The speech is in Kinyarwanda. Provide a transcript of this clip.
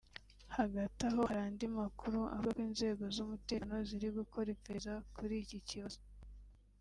Hagati aho hari andi makuru avuga ko inzego z’umutekano ziri gukora iperereza kuri iki kibazo